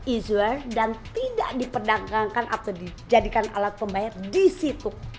easware dan tidak diperdagangkan atau dijadikan alat pembayar di situ